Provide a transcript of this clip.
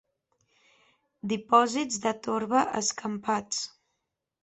Dipòsits de torba escampats.